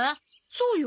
そうよ。